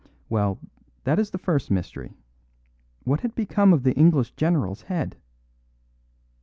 Well, that is the first mystery; what had become of the English general's head?